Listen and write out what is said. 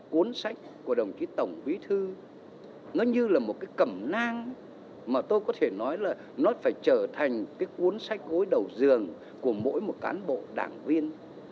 cuốn sách của đồng chí tổng bí thư nó như là một cái cẩm nang mà tôi có thể nói là nó phải trở thành cái cuốn sách gối đầu dường của mỗi một cán bộ đảng viên